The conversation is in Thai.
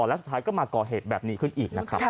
และสุดท้ายก็มากอเหตุแบบนี้ขึ้นอีก